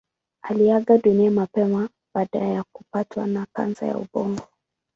Aliaga dunia mapema baada ya kupatwa na kansa ya ubongo.